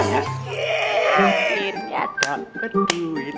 yeayy akhirnya dapet duit